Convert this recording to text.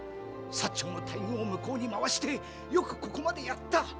長の大軍を向こうに回してよくここまでやった！